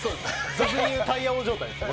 俗に言うタイヤ王状態ですね。